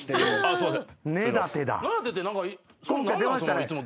すいません。